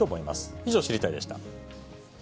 以上、知りたいッ！でした。